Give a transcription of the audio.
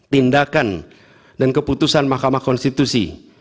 tindakan dan keputusan mahkamah konstitusi